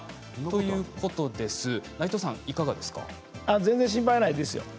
あっ全然心配ないですよ。